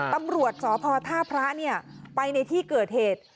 ตำรวจสภธาพระเนี่ยไปในที่เกิดเหตุ